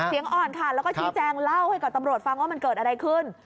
เสียงอ่อนค่ะแล้วก็ชี้แจงเล่าให้กับตำรวจฟังว่ามันเกิดอะไรขึ้น